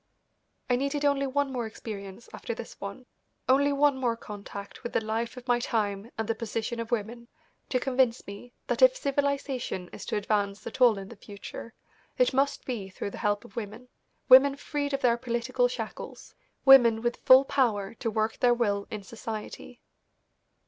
I needed only one more experience after this one, only one more contact with the life of my time and the position of women, to convince me that if civilisation is to advance at all in the future, it must be through the help of women, women freed of their political shackles, women with full power to work their will in society.